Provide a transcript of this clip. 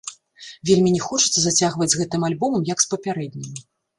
Вельмі не хочацца зацягваць з гэтым альбомам, як з папярэднім.